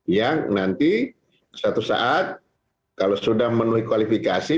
yang nanti suatu saat kalau sudah memenuhi kualifikasi